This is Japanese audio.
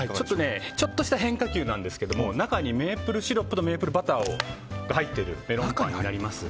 ちょっとした変化球なんですが中にメープルシロップとメープルバターが入っているメロンパンになります。